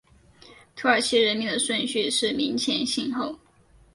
土耳其人名的顺序是名前姓后。